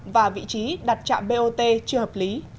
và vị trí đặt trạm bot chưa hợp lý